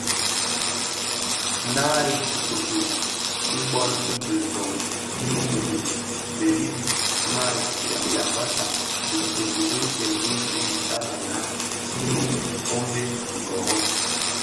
Naa i bitoki bi bon bë Zöň (Gounou, Belibi, malah) di yambassa dhi bitoki bitsem bi zi isananga: Tsingo, kombe, Ngorro,